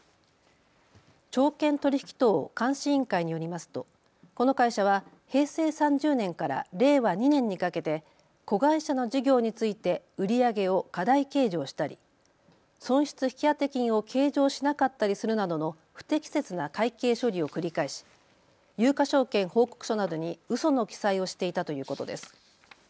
証券取引等監視委員会によりますと、この会社は平成３０年から令和２年にかけて子会社の事業について売り上げを過大計上したり損失引当金を計上しなかったりするなどの不適切な会計処理を繰り返し有価証券報告書などにうその記載をしていたということです。